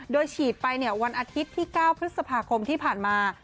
โดยฉีดไปวันอาทิตย์ที่๙พฤษภาคมที่ผ่านมา